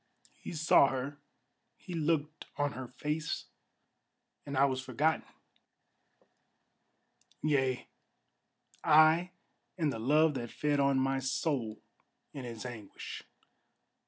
He saw her, he looked on her face, and I was forgotten Yea, I and the love that fed on my soul in its anguish!